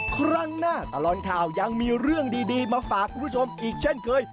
ครั้งหน้าตลอดข่าวยังมีเรื่องดีมาฝากคุณผู้ชมอีกเช่นเคย